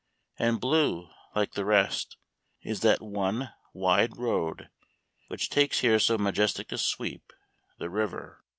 And blue, like the rest, is that one wide road which takes here so majestic a sweep the river.